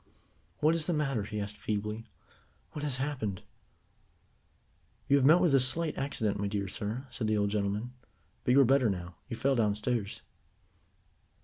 "What is the matter?" he asked feebly. "What has happened?" "You have met with a slight accident, my dear sir," said the old gentleman, "but you are better now. You fell downstairs."